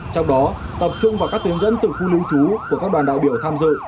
trong đó tập trung vào các tuyến dẫn từ khu lưu trú của các đoàn đạo biểu tham dự